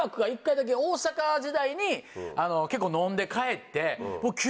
大阪時代に結構飲んで帰って。